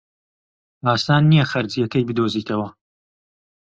ئاسان نییە خەرجییەکەی بدۆزیتەوە.